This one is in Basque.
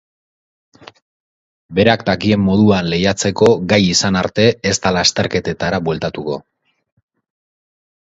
Berak dakien moduan lehiatzeko gai izan arte ez da lasterketetara bueltatuko.